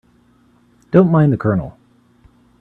Don't mind the Colonel.